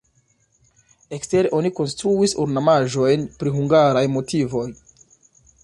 Ekstere oni konstruis ornamaĵojn pri hungaraj motivoj.